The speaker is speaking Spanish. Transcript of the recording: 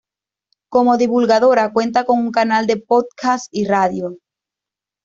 Como divulgadora, cuenta con un canal de podcast y radio.